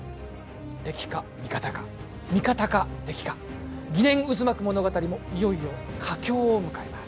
「敵か味方か、味方か敵か」、疑念渦巻く物語もいよいよ佳境を迎えます。